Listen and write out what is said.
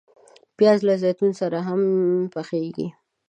پیاز له زیتونو سره هم پخیږي